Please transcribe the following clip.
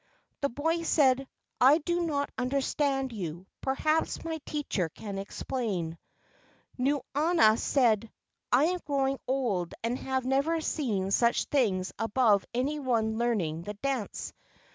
The boy said, "I do not understand you; perhaps my teacher can explain." Nuanua said: "I am growing old and have never seen such things above any one learning the dance.